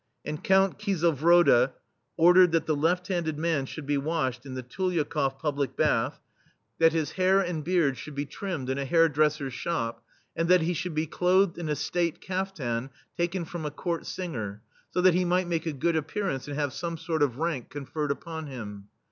And Count Kiselvrode ordered that the left handed man should be washed in the TulyakofF public bath, that his [6i ] THE STEEL FLEA hair and beard should be trimmed in a hairdresser's shop, and that he should be clothed in a State kaftan taken from a Court singer,* so that he might make a good appearance, and have some sort of rank conferred upon him.